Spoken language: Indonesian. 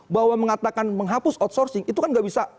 bahwa mengatakan menghapus outsourcing itu kan nggak bisa